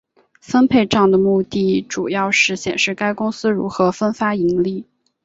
分配帐的目的主要是显示该公司如何分发盈利。